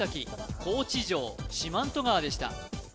高知城四万十川でした